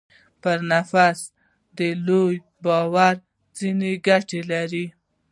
پر نفس د لوړ باور ځينې ګټې.